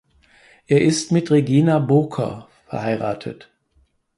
Er ist mit Regina Booker verheiratet.